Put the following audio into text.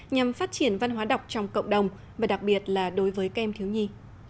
nhằm phát triển văn hóa đọc trong cộng đồng và đặc biệt là đối với các em thiếu nhi